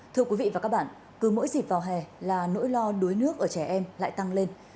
thưa quý vị và các bạn cứ mỗi dịp vào hè là nỗi lo đuối nước ở trẻ em lại tăng lên